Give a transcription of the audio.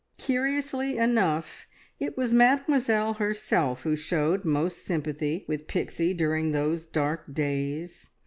Curiously enough, it was Mademoiselle herself who showed most sympathy with Pixie during those dark days.